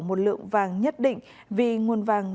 một lượng vàng nhất định vì nguồn vàng